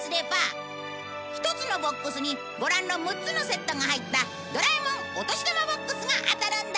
１つのボックスにご覧の６つのセットが入ったドラえもんお年玉ＢＯＸが当たるんだ。